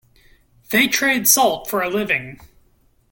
They trade salt for a living.